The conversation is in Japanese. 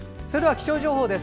それでは気象情報です。